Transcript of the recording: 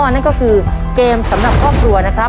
นั่นก็คือเกมสำหรับครอบครัว